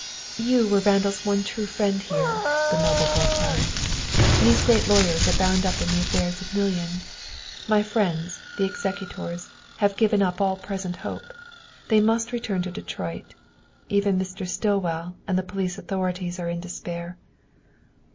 "You were Randall's one true friend here," the noble girl cried. "These great lawyers are bound up in the affairs of millions. My friends, the executors, have given up all present hope; they must return to Detroit; even Mr. Stillwell and the police authorities are in despair.